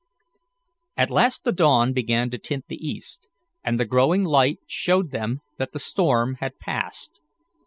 At last the dawn began to tint the east, and the growing light showed them that the storm had passed.